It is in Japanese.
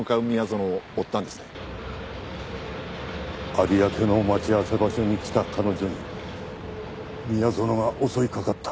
有明の待ち合わせ場所に来た彼女に宮園が襲いかかった。